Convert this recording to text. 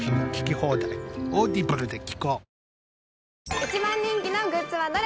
一番人気のグッズはどれ？